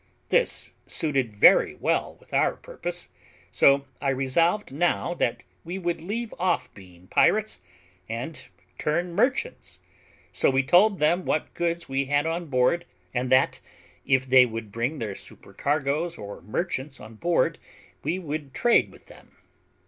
This suited very well with our purpose; so I resolved now that we would leave off being pirates and turn merchants; so we told them what goods we had on board, and that if they would bring their supercargoes or merchants on board, we would trade with them.